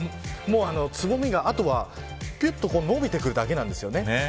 つぼみが、あとは伸びてくるだけなんです。